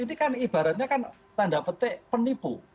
ini kan ibaratnya kan tanda petik penipu